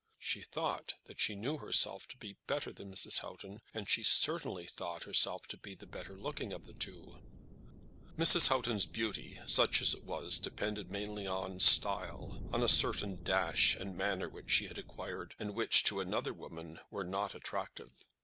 She thought that she knew herself to be better than Mrs. Houghton, and she certainly thought herself to be the better looking of the two. Mrs. Houghton's beauty, such as it was, depended mainly on style; on a certain dash and manner which she had acquired, and which, to another woman, were not attractive.